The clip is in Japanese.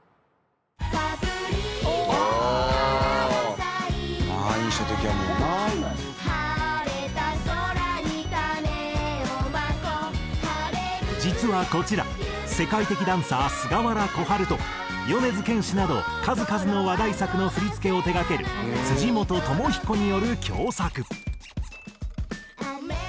「パプリカ花が咲いたら」「晴れた空に種を蒔こう」実はこちら世界的ダンサー菅原小春と米津玄師など数々の話題作の振付を手がける辻本知彦による共作。